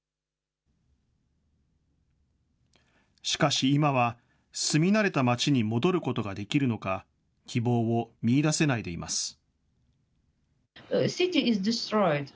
しかし今は、住み慣れた街に戻ることができるのか、希望を見いだせないでいます。